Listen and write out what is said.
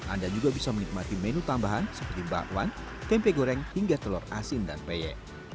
anda juga bisa menikmati menu tambahan seperti bakwan tempe goreng hingga telur asin dan peye